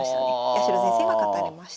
八代先生が勝たれました。